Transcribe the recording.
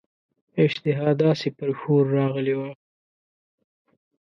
اشتها داسي پر ښور راغلې وه.